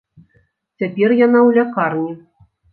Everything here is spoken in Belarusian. Цяпер яна ў лякарні.